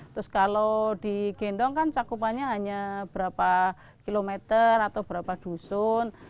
terus kalau di gendong kan cakupannya hanya berapa kilometer atau berapa dusun